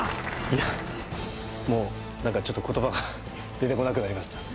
いやもうなんかちょっと言葉が出てこなくなりました